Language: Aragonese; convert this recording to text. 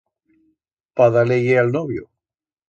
Pa dar-le-ie a'l novio.